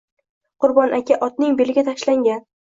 Qurbon aka otning beliga tashlangan